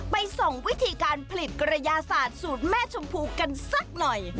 ไปส่องวิธีการผลิตกระยาศาสตร์สูตรแม่ชมพูกันสักหน่อย